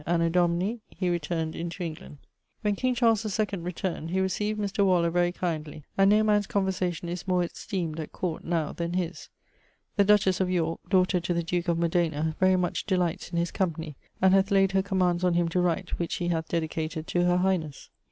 Anno Domini ... he returned into England. When king Charles II returned, he recieved Mr. Waller very kindly, and no man's conversation is more esteemed at court now then his. The dutches of Yorke (daughter to the duke of Modena) very much delights his company, and hath layed her commands on him to write, which he hath dedicated to her highnes.